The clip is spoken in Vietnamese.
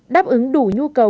đáp ứng đủ nhu cầu